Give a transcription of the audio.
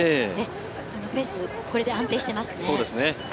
ペースが安定していますね。